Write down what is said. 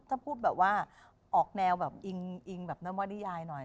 ถ้าพูดแบบว่าออกแนวแบบอิงอิงแบบนวริยายหน่อย